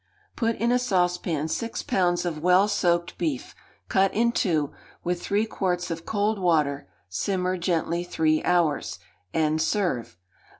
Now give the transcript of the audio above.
Put in a saucepan six pounds of well soaked beef, cut in two, with three quarts of cold water; simmer gently three hours, and serve.